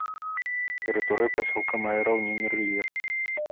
Тэрыторыя пасёлка мае раўнінны рэльеф.